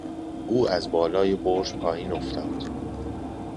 او از بالای برج پایین افتاد.